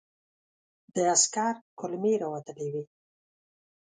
د عسکر کولمې را وتلې وې.